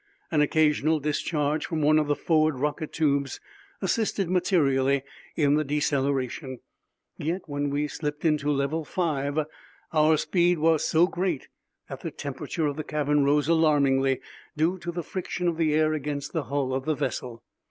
An occasional discharge from one of the forward rocket tubes assisted materially in the deceleration, yet, when we slipped into level five, our speed was so great that the temperature of the cabin rose alarmingly, due to the friction of the air against the hull of the vessel.